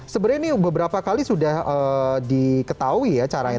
sebenarnya ini beberapa kali sudah diketahui ya caranya